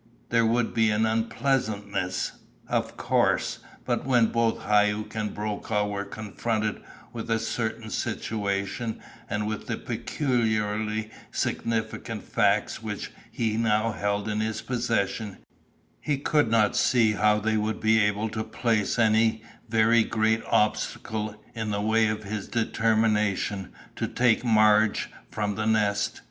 There would be an unpleasantness, of course; but when both Hauck and Brokaw were confronted with a certain situation, and with the peculiarly significant facts which he now held in his possession, he could not see how they would be able to place any very great obstacle in the way of his determination to take Marge from the Nest.